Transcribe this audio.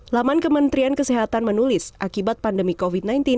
laman kementerian kesehatan menulis akibat pandemi covid sembilan belas